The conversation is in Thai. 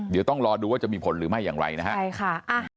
เดี๋ยวต้องรอดูว่าจะมีผลหรือไม่อย่างไรนะฮะใช่ค่ะ